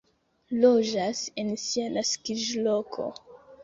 Loĝas en sia naskiĝloko.